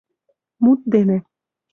Мут дене